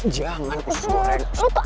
jangan usus goreng